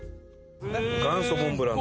元祖モンブランだ。